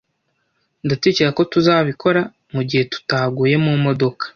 Ndatekereza ko tuzabikora mugihe tutaguye mumodoka